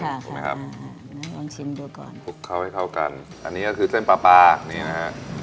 ถูกไหมครับลองชิมดูก่อนคลุกเข้าให้เข้ากันอันนี้ก็คือเส้นปลาปลานี่นะฮะ